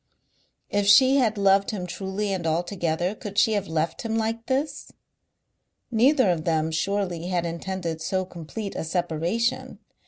If she had loved him truly and altogether could she have left him like this? Neither of them surely had intended so complete a separation.